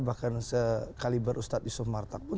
bahkan sekaliber ustad di sumartak pun